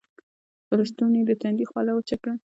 پۀ لستوڼي يې د تندي خوله وچه کړه